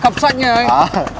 học sách nha anh